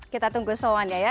kita tunggu sewannya ya